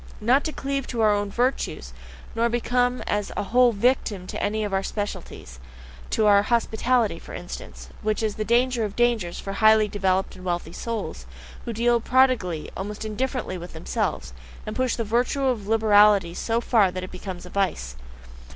Not to cleave to our own virtues, nor become as a whole a victim to any of our specialties, to our "hospitality" for instance, which is the danger of dangers for highly developed and wealthy souls, who deal prodigally, almost indifferently with themselves, and push the virtue of liberality so far that it becomes a vice.